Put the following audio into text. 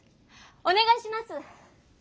お願いします！